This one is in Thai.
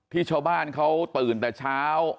ชาวบ้านเขาตื่นแต่เช้า